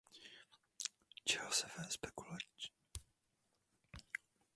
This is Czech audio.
Čeho se ve skutečnosti týká dnešní rozprava o sankcích?